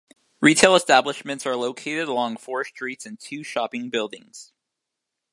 Retail establishments are located along four streets and two shopping buildings.